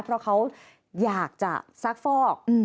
เพราะเขาอยากจะซักฟอก